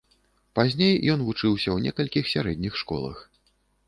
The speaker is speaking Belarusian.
Пазней ён вучыўся ў некалькіх сярэдніх школах.